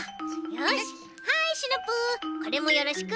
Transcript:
よしはいシナプーこれもよろしく！